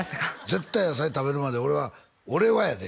絶対野菜食べるまで俺は「俺は」やで？